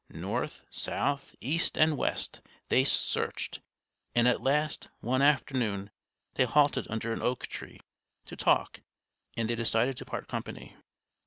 North, south, east, and west, they searched; and at last, one afternoon, they halted under an oak tree, to talk, and they decided to part company.